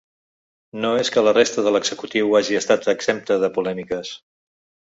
No és que la resta de l’executiu hagi estat exempta de polèmiques.